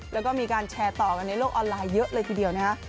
แล้วก็มีการแชร์ต่อกันในโลกออนไลน์เยอะเลยทีเดียวนะฮะ